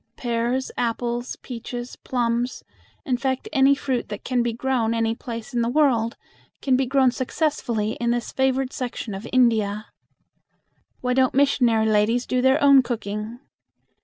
Pears, apples, peaches, plums in fact, any fruit that can be grown any place in the world can be grown successfully in this favored section of India. "Why don't missionary ladies do their own cooking?"